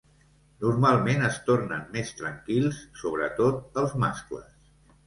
Normalment es tornen més tranquils, sobretot els mascles.